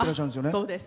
そうです。